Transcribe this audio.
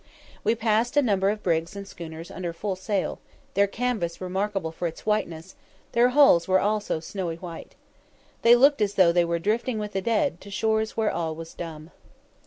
We passed a number of brigs and schooners under full sail, their canvass remarkable for its whiteness; their hulls also were snowy white. They looked as though "they were drifting with the dead, to shores where all was dumb."